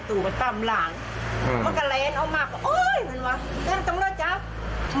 อืม